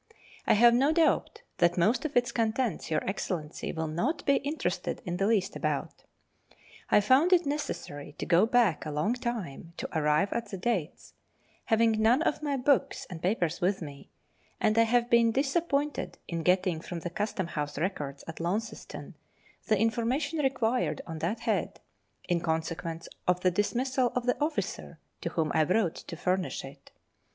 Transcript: I have no doubt that most of its contents Your Excellency will not be interested in the least about. I found it necessary to go back a long time to arrive at the dates, having none of my books and papers with me, and I have been disappointed in getting from the Custom house records at Launceston the information required on that head, in consequence of the dismissal of the officer to whom I wrote to furnish it.